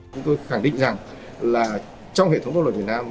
chúng tôi khẳng định rằng là trong hệ thống pháp luật việt nam